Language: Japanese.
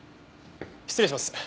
失礼します。